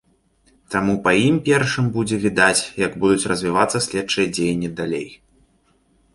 Таму па ім першым будзе відаць, як будуць развівацца следчыя дзеянні далей.